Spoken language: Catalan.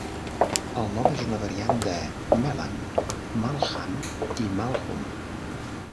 El nom és una variant de Malham, Malgham i Malghum.